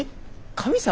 神様？